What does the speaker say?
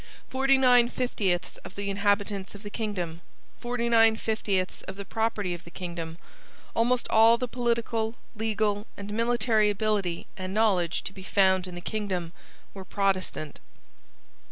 Forty nine fiftieths of the inhabitants of the kingdom, forty nine fiftieths of the property of the kingdom, almost all the political, legal, and military ability and knowledge to be found in the kingdom, were Protestant.